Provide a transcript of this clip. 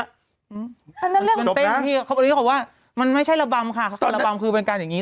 อันนั้นเรื่องมันไม่ใช่ระบำค่ะระบำคือเป็นการอย่างงี้